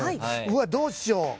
どうしよう。